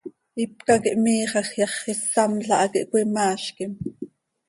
Ipca quih miixaj yax, issamla ha quih cöimaazquim.